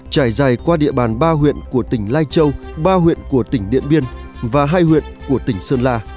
trải dài qua địa bàn ba huyện của tỉnh lai châu ba huyện của tỉnh điện biên và hai huyện của tỉnh sơn la